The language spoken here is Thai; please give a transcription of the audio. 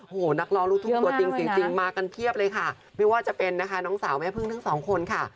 โอ้โหนักร้องลูกทุ่งตัวจริงจริงมากันเพียบเลยค่ะไม่ว่าจะเป็นนะคะน้องสาวแม่พึ่งทั้งสองคนค่ะ